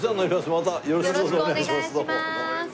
またよろしくお願いしますどうも。